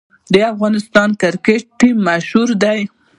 د افغانستان کرکټ ټیم مشهور دی